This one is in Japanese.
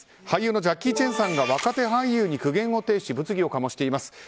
俳優のジャッキー・チェンさんが若手俳優に苦言を呈し物議を醸しています。